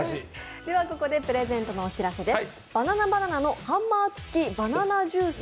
ここでプレゼントのお知らせです。